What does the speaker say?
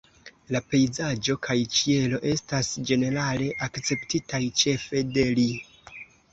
La pejzaĝo kaj ĉielo estas ĝenerale akceptitaj ĉefe de li.